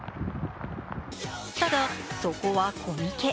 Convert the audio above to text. ただ、そこはコミケ。